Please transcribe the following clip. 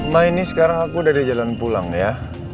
ma ini sekarang aku udah di jalan pulang ya